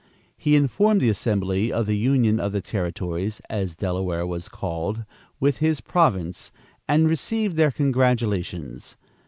He informed the assembly of the union of the "territories" (as Delaware was called) with his province, and received their congratulations.